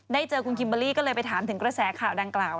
เจอคุณคิมเบอร์รี่ก็เลยไปถามถึงกระแสข่าวดังกล่าว